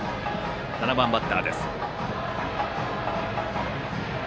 ７番バッターです。